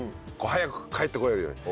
早く帰ってこれるように。